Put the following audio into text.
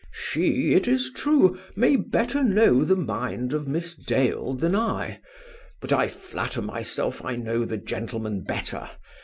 "She, it is true, may better know the mind of Miss Dale than I. But I flatter myself I know the gentleman better.